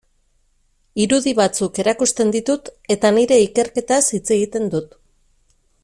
Irudi batzuk erakusten ditut eta nire ikerketaz hitz egiten dut.